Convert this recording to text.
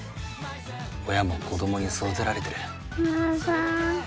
親も子どもに育てられてる。